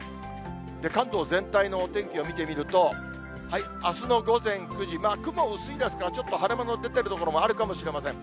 関東全体のお天気を見てみると、あすの午前９時、雲薄いですが、ちょっと晴れ間の出ている所もあるかもしれません。